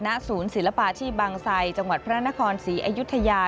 ณศูนย์ศิลปาชีพบางไซจังหวัดพระนครศรีอยุธยา